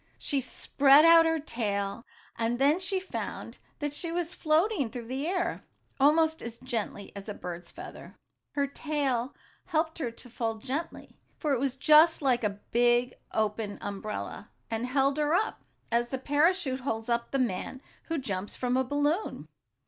She spread out her tail, and then she found that she was floating through the air almost as gently as a bird's feather. Her tail helped her to fall gently, for it was just like a big, open umbrella, and held her up, as the parachute holds up the man who jumps from a balloon.